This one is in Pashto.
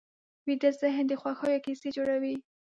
ویده ذهن د خوښیو کیسې جوړوي